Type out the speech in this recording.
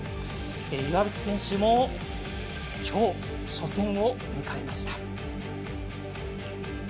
岩渕選手もきょう初戦を迎えました。